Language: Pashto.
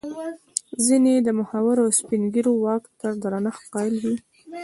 ځیني یې د مخورو او سپین ږیرو واک ته درنښت قایل وي.